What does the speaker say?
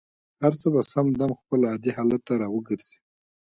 هر څه به سم دم خپل عادي حالت ته را وګرځي.